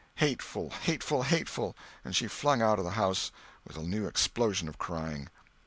Hateful, hateful, hateful!"—and she flung out of the house with a new explosion of crying.